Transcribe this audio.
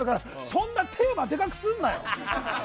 そんなテーマでかくすんなよ